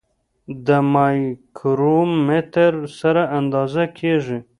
د مایکرومتر سره اندازه کیږي.